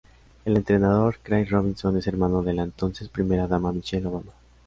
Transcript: El entrenador, Craig Robinson, es hermano de la entonces primera dama Michelle Obama.